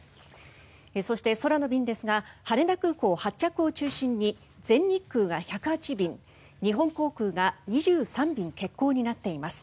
そして、空の便ですが羽田空港発着を中心に全日空が１０８便日本航空が２３便欠航になっています。